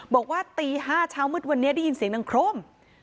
บอกว่าตี๕เช้ามืดวันนี้ได้ยินเสียงดังโครม